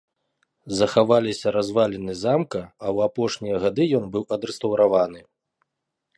Захаваліся разваліны замка, а ў апошнія гады ён быў адрэстаўраваны.